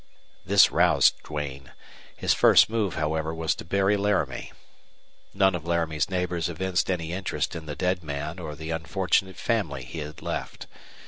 This roused Duane. His first move, however, was to bury Laramie. None of Laramie's neighbors evinced any interest in the dead man or the unfortunate family he had left.